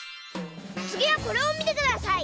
つぎはこれをみてください。